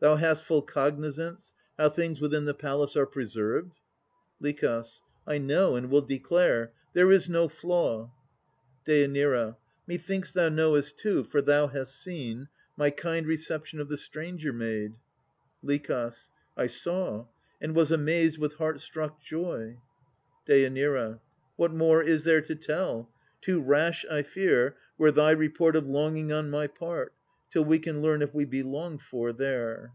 Thou hast full cognizance How things within the palace are preserved? LICH. I know, and will declare. There is no flaw. DÊ. Methinks thou knowest too, for thou hast seen, My kind reception of the stranger maid? LICH. I saw, and was amazed with heart struck joy. DÊ. What more is there to tell? Too rash, I fear, Were thy report of longing on my part, Till we can learn if we be longed for there.